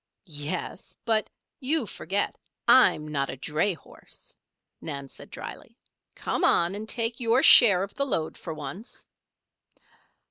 "Yes. But you forget I'm not a dray horse," Nan said drily. "Come on and take your share of the load for once."